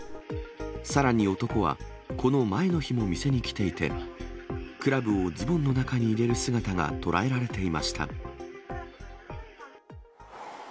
さらに男は、この前の日も店に来ていて、クラブをズボンの中に入れる姿が捉えられていました。